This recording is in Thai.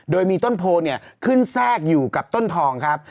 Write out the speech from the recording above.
โดยมีต้นโพเนี่ยขึ้นแทรกอยู่กับต้นทองครับ